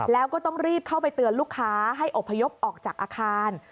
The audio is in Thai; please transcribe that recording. แล้วก็ต้องรีบเข้าไปเตือนลูกค้าให้อบพยพออกจากอาคาร